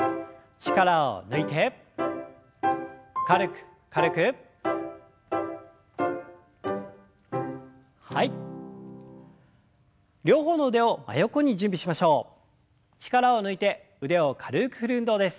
力を抜いて腕を軽く振る運動です。